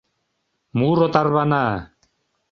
Муро тарвана.